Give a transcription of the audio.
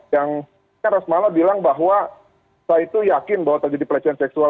yang rosmala bilang bahwa saya itu yakin bahwa terjadi pelecehan seksual